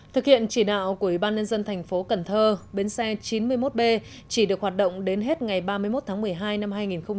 thực hiện chỉ đạo của ủy ban nhân dân thành phố cần thơ bến xe chín mươi một b chỉ được hoạt động đến hết ngày ba mươi một tháng một mươi hai năm hai nghìn hai mươi